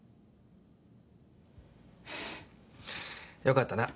よかったな。